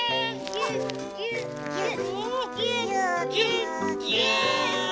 ぎゅっぎゅっぎゅっ。